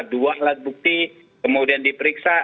dua alat bukti kemudian diperiksa